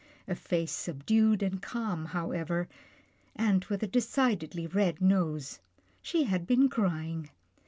A face subdued and calm however, and with a decidedly red nose. She had been crying.